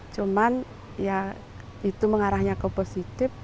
cuman ya itu mengarahnya ke positif